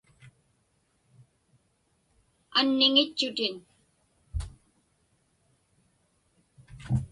Anniŋitchutin.